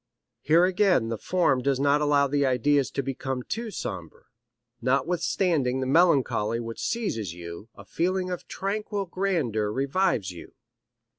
Here again the form does not allow the ideas to become too sombre; notwithstanding the melancholy which seizes you, a feeling of tranquil grandeur revives you."